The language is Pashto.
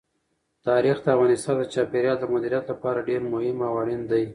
تاریخ د افغانستان د چاپیریال د مدیریت لپاره ډېر مهم او اړین دي.